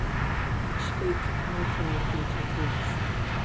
Each fake commercial feature kids.